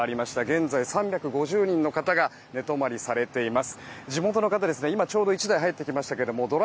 現在３５０人の方が泊されています。